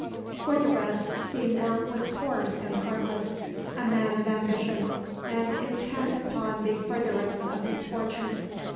For the rest, Seymour was coarse and heartless, a man of ambition, and intent upon the furtherance of his fortunes.